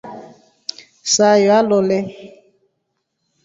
Sayo nalole.